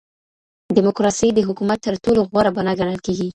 ډيموکراسي د حکومت تر ټولو غوره بڼه ګڼل کېږي.